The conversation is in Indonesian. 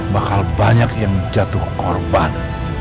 bakal banyak yang jatuh korban